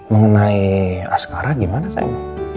mengenai askara gimana sayang